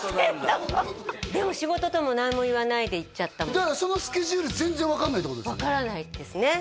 でも仕事とも何も言わないで行っちゃったもんだからそのスケジュール全然分かんないってことですね分からないですね